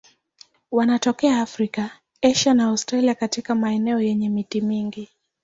Wanatokea Afrika, Asia na Australia katika maeneo yenye miti mingi.